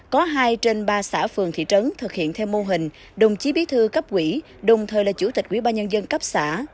có hai trên ba xã phường thị trấn thực hiện theo mô hình đồng chí bí thư cấp quỹ đồng thời là chủ tịch quỹ ba nhân dân cấp xã